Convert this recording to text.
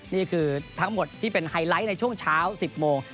นี่คือทั้งหมดที่เป็นไฮไลท์ในช่วงเช้า๑๐โมง